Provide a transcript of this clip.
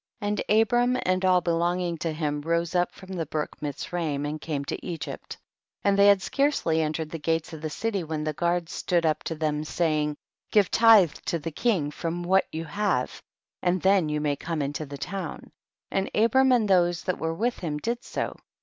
8. And Abram and all belonging to him rose up from the brook Mitz raim and came to Egypt ; and they had scarcely entered the gates of the city when the guards stood up to them, saying, give tythe to the king from what you have, and then 3'^ou may come into the town ; and Abram and those that were with him did so.